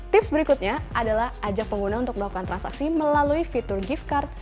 tips berikutnya adalah ajak pengguna untuk melakukan transaksi melalui fitur gift card